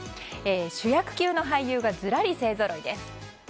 主役級の俳優がずらり勢ぞろいです。